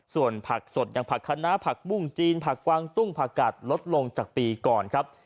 ส่วนผักสดอย่างผักคณะผักบุ้งจีนผักกวางตุ้งผักกัดลดลงจากปีก่อนครับ